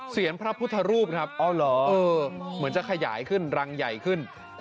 พระพุทธรูปครับอ๋อเหรอเหมือนจะขยายขึ้นรังใหญ่ขึ้น